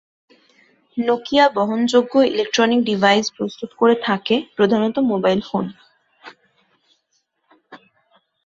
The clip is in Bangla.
নোকিয়া বহনযোগ্য ইলেক্ট্রনিক ডিভাইস প্রস্তুত করে থাকে, প্রধানত মোবাইল ফোন।